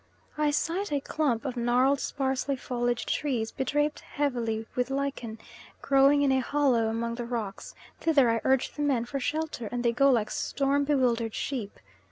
I sight a clump of gnarled sparsely foliaged trees bedraped heavily with lichen, growing in a hollow among the rocks; thither I urge the men for shelter and they go like storm bewildered sheep.